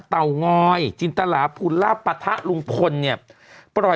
เต่างอยจินตราภูราปทะลุ้งพลเนี้ยเปล่า